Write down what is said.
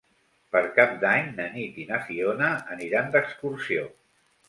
Per Cap d'Any na Nit i na Fiona aniran d'excursió.